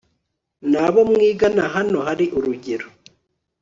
n abo mwigana Hano hari urugero